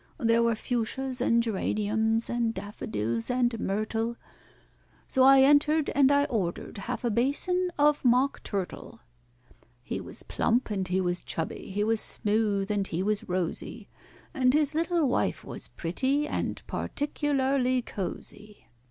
There were fuchsias and geraniums, and daffodils and myrtle, So I entered, and I ordered half a basin of mock turtle. He was plump and he was chubby, he was smooth and he was rosy, And his little wife was pretty and particularly cosy.